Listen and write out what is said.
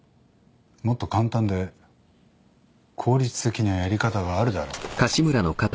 もっと簡単で効率的なやり方があるだろ。